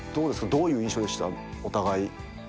どういう印象でした？